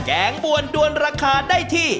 แกงบวนด้วนราคาได้ที่